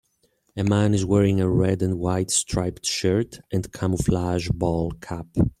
A man is wearing a red and white striped shirt and camouflage ball cap.